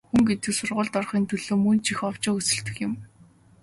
Хүн гэдэг сургуульд орохын төлөө мөн ч овжин хөөцөлдөх юм.